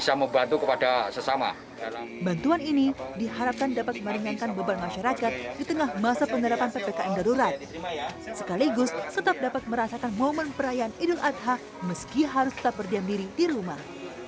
sekaligus tetap dapat merasakan momen perayaan idul adha meski harus tetap berdiam diri di rumah